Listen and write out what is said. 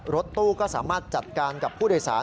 รถตู้ก็สามารถจัดการกับผู้โดยสาร